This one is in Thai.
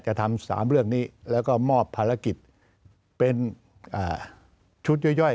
จะทำ๓เรื่องนี้แล้วก็มอบภารกิจเป็นชุดย่อย